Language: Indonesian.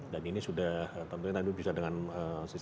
dan ini sudah tentunya nanti bisa dikonsumsi